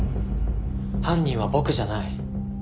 犯人は僕じゃない。